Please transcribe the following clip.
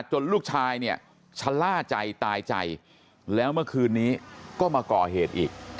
ลูกชายเนี่ยชะล่าใจตายใจแล้วเมื่อคืนนี้ก็มาก่อเหตุอีก